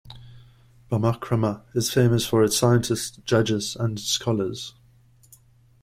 Bamakhrama is famous for its scientists, judges, and scholars.